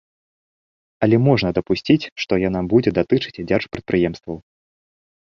Але можна дапусціць, што яна будзе датычыць дзяржпрадпрыемстваў.